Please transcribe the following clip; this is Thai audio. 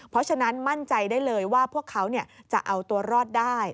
เพราะฉะนั้นมั่นใจได้เลยว่าพวกเขาจะเอาตัวรอดได้